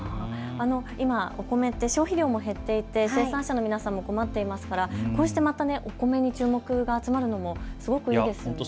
今、お米って消費量も減っていて生産者の皆さんも困ってますからこうしてまたお米に注目が集まるのもすごくいいですね。